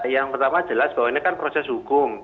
yang pertama jelas bahwa ini kan proses hukum